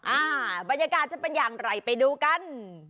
อ่าบรรยากาศจะเป็นอย่างไรไปดูกัน